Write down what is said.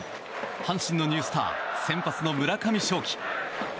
阪神のニュースター先発の村上頌樹。